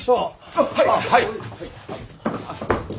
あっはい！